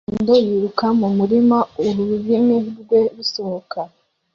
Umwana wumuhondo yiruka mumurima ururimi rwe rusohoka